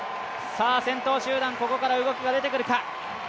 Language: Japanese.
先頭集団、ここから動きが出てくるか。